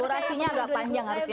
durasi nya agak panjang harusnya